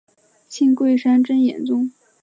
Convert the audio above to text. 信贵山真言宗。